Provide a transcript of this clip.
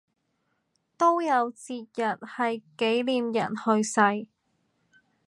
都有節日係紀念人出世